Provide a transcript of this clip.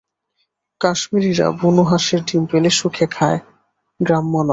কাশ্মীরীরা বুনো হাঁসের ডিম পেলে সুখে খায়, গ্রাম্য নয়।